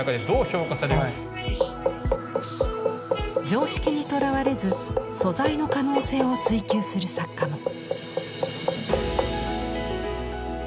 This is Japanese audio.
常識にとらわれず素材の可能性を追求する作家も。